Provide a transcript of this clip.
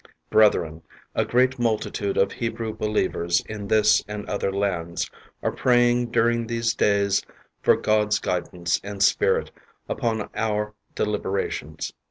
Brethren, a great multitude of Hebrew believers in this and other lands are praying during these days for God's guidance and Spirit upon our delib erations.